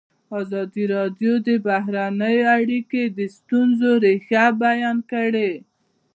ازادي راډیو د بهرنۍ اړیکې د ستونزو رېښه بیان کړې.